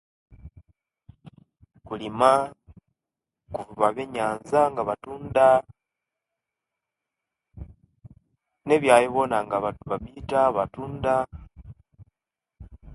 Kulima kuvuba byenyanza nga batunda ne byayo byona nga bapiita batunda